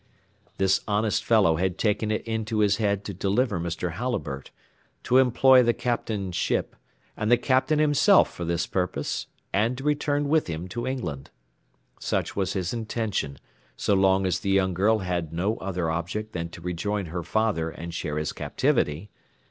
This honest fellow had taken it into his head to deliver Mr. Halliburtt, to employ the Captain's ship, and the Captain himself for this purpose, and to return with him to England. Such was his intention, so long as the young girl had no other object than to rejoin her father and share his captivity.